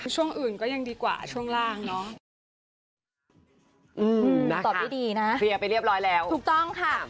ถูกต้องค่ะ